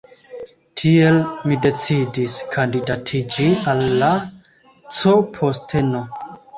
Tiel, mi decidis kandidatiĝi al la C posteno.